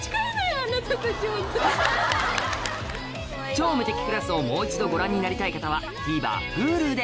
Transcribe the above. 『超無敵クラス』をもう一度ご覧になりたい方はＴＶｅｒＨｕｌｕで